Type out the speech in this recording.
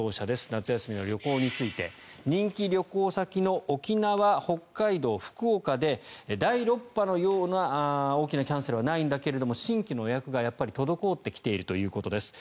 夏休みの旅行について人気旅行先の沖縄、北海道、福岡で第６波のような大きなキャンセルはないが新規の予約が滞ってきているということです。